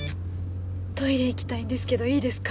トイレ行きたいんですけどいいですか？